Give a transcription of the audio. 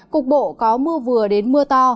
cục bộ có mưa vừa đến mưa to